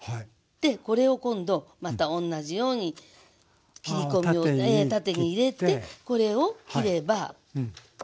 これを今度また同じように切り込みを縦に入れてこれを切れば。